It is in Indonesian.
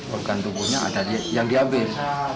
organ tubuhnya ada yang dihabis